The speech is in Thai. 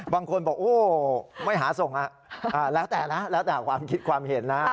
บางคนบอกไม่หาส่งแล้วแต่ความคิดความเห็น